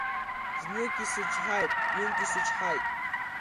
Знык исычҳаит, ҩынтә исычҳаит…